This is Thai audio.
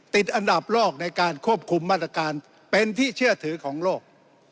ติดอันดับโลกในการควบคุมมาตรการเป็นที่เชื่อถือของโลก